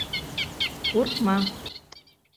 — Ҡурҡма!